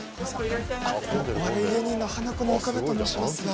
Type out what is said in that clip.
お笑い芸人のハナコの岡部と申しますが。